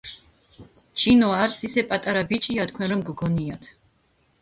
ჩინო არც ისე პატარა ბიჭია, თქვენ რომ გგონიათ.